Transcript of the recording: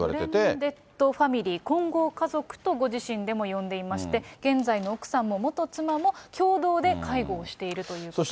ブレンデッド・ファミリー、混合家族とご自身でも呼んでいまして、現在の奥さんも元妻も共同で介護をしているということです。